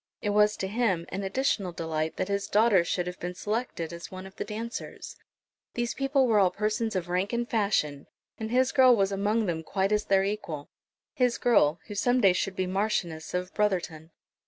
It was to him an additional delight that his daughter should have been selected as one of the dancers. These people were all persons of rank and fashion, and his girl was among them quite as their equal, his girl, who some day should be Marchioness of Brotherton.